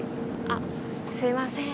あっすいません。